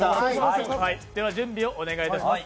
準備をお願いいたします。